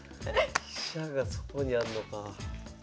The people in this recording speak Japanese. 飛車がそこにあんのか。